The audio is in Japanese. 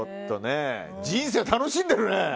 人生楽しんでるね！